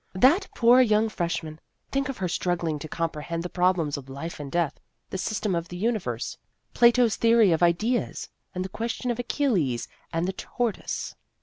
" That poor young freshman ! Think of her struggling to comprehend the prob lems of Life and Death, the System of the Universe, Plato's Theory of Ideas, and the question of Achilles and the Tor toise.